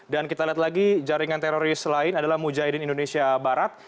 dan kita lihat lagi jaringan teroris lain adalah mujahidin indonesia barat